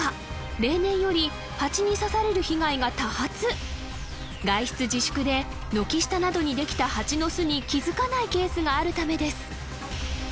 例年よりハチに刺される被害が多発外出自粛で軒下などにできたハチの巣に気づかないケースがあるためです